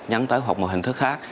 nhắn tới hoặc một hình thức khác